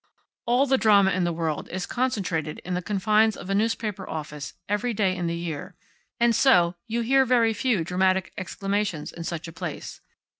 All the drama in the world is concentrated in the confines of a newspaper office every day in the year, and so you hear very few dramatic exclamations in such a place.